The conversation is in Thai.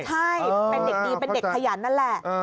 ใช่เป็นเด็กดีเป็นเด็กขยันนั่นแหละ